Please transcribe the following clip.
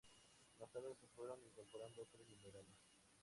Más tarde, se fueron incorporando otros numerales.